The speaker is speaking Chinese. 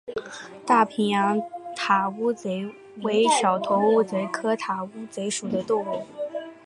太平洋塔乌贼为小头乌贼科塔乌贼属的动物。